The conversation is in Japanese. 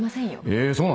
えそうなの？